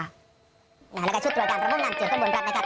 แล้วล่ะค่ะชุดตัวกันเราพบกันอันตรีย์ข้างบนครับ